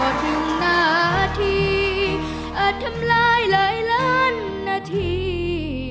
อาจทำลายหลายล้านนาที